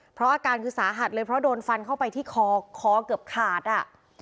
เพราะอาการคือสาหัสเลยเพราะโดนฟันเข้าไปที่คอคอเกือบขาดอ่ะ